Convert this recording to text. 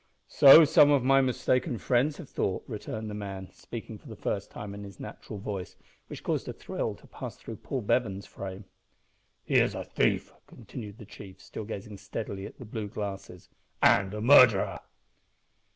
"So some of my mistaken friends have thought," returned the man, speaking for the first time in his natural voice, which caused a thrill to pass through Paul Bevan's frame. "He is a thief," continued the chief, still gazing steadily at the blue glasses, "and a murderer!"